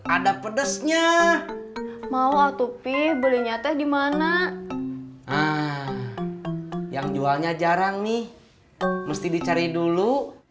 ada pedesnya mau altupi belinya teh dimana yang jualnya jarang nih mesti dicari dulu